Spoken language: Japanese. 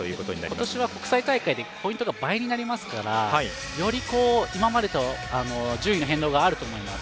今年は国際大会でポイントが倍になりますからより今までより順位の変動があると思います。